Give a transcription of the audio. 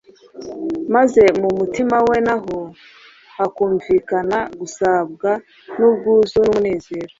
maze mu mutima we naho hakumvikana gusābwa n’ubwuzu n’umunezero.